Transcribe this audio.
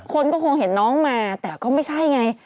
คนก็คงเห็นน้องมาแต่ก็ไม่ใช่ไง